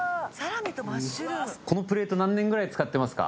このプレート何年ぐらい使ってますか？